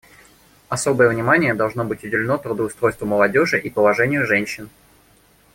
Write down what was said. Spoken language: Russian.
Особое внимание должно быть уделено трудоустройству молодежи и положению женщин.